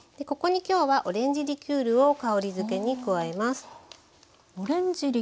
ここにきょうはオレンジリキュールを香りづけに加えます。